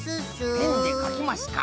ペンでかきますか。